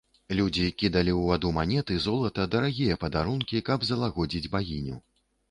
Людзі кідалі ў ваду манеты, золата, дарагія падарункі, каб залагодзіць багіню.